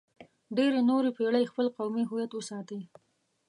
ډېرې نورې پېړۍ خپل قومي هویت وساتئ.